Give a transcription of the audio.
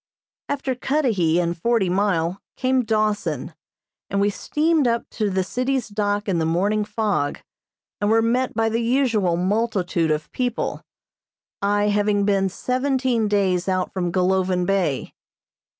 After Cudahy and Forty Mile, came Dawson, and we steamed up to the city's dock in the morning fog, and were met by the usual multitude of people, I having been seventeen days out from Golovin Bay.